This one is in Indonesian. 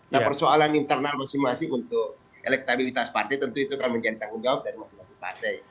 nah persoalan internal masing masing untuk elektabilitas partai tentu itu akan menjadi tanggung jawab dari masing masing partai